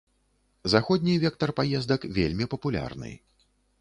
Заходні вектар паездак вельмі папулярны.